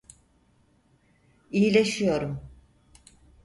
İyileşiyorum.